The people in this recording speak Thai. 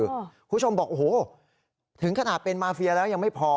คุณผู้ชมบอกโอ้โหถึงขนาดเป็นมาเฟียแล้วยังไม่พอ